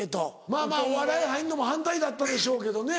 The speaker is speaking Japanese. まぁまぁお笑い入んのも反対だったでしょうけどね。